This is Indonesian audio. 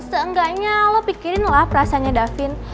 seenggaknya lo pikirin lah perasanya dapin